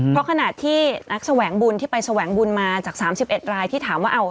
เพราะขณะที่นักแสวงบุญที่ไปแสวงบุญมาจาก๓๑รายที่ถามว่า